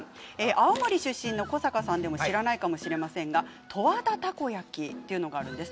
青森出身の古坂さんでも知らないかもしれませんが十和田たこ焼きというのがあります。